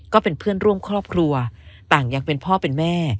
ก็เป็นเพื่อนร่วมครอบครัวต่างยังเป็นพ่อเป็นแม่